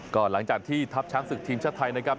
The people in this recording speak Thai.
ก็หลังจากที่ทัพช้างศึกทีมชาติไทยนะครับ